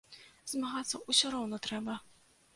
Змагацца ўсё роўна трэба.